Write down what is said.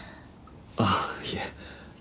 あっいえ。